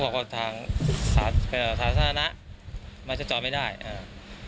เขาก็บอกว่าทางสาธารณะมันจะจอดไม่ได้อ่า